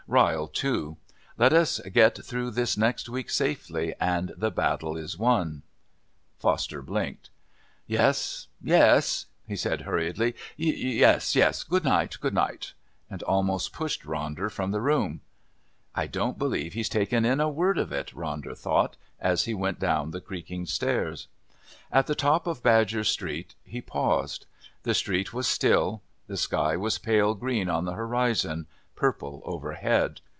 Ryle too. Let us get through this next week safely and the battle's won." Foster blinked. "Yes, yes," he said hurriedly. "Yes, yes. Good night, good night," and almost pushed Ronder from the room. "I don't believe he's taken in a word of it," Ronder thought, as he went down the creaking stairs. At the top of Badger's Street he paused. The street was still; the sky was pale green on the horizon, purple overhead.